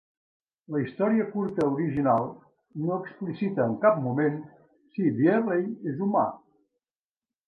La història curta original no explicita en cap moment si Byerley és humà.